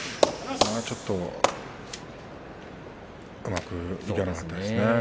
ちょっとうまくいかなかったですね。